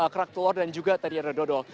kerak telur dan juga tadi ada dodol